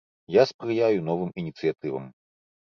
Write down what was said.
Я спрыяю новым ініцыятывам.